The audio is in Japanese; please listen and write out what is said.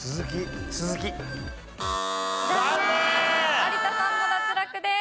有田さんも脱落です。